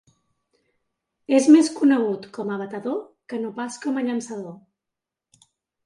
És més conegut com a batedor que no pas com a llançador.